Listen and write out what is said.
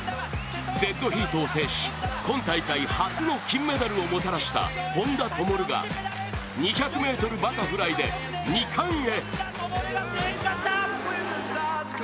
デッドヒートを制し今大会初の金メダルをもたらした本多灯が２００ｍバタフライで２冠へ。